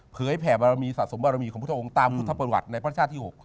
แผ่บารมีสะสมบารมีของพระองค์ตามพุทธประวัติในพระชาติที่๖